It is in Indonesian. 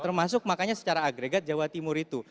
termasuk makanya secara agregat jawa timur itu